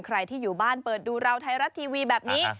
ใครที่อยู่บ้านเปิดดูเราไทยรัฐทีวีแบบนี้